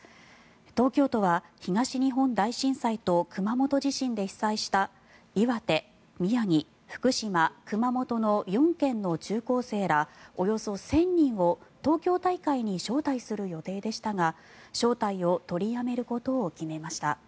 東京都は東日本大震災と熊本地震で被災した岩手、宮城、福島、熊本の４県の中高生らおよそ１０００人を東京大会に招待する予定でしたが招待を取りやめることを決めました。